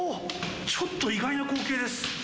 ちょっと意外な光景です。